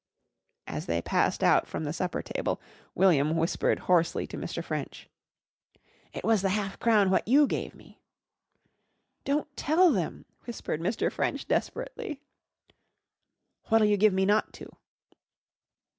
As they passed out from the supper table, William whispered hoarsely to Mr. French: "It was the half crown what you give me." "Don't tell them," whispered Mr. French desperately. "What'll you give me not to?"